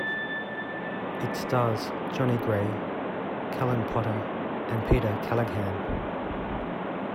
It stars Jonny Gray, Callan Potter and Peter Keleghan.